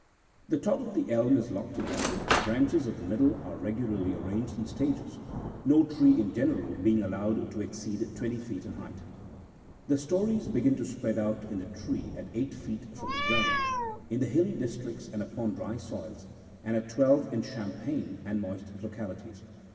The top of the elm is lopped away, and the branches of the middle are regularly arranged in stages; no tree in general being allowed to exceed twenty feet in height. The stories begin to spread out in the tree at eight feet from the ground, in the hilly districts and upon dry soils, and at twelve in champaign and moist localities.